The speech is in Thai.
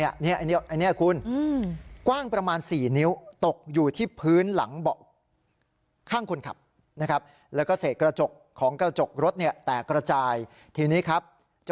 อันนี้คุณกว้างประมาณ๔นิ้วตกอยู่ที่พื้นหลังข้างคุณขับ